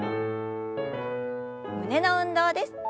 胸の運動です。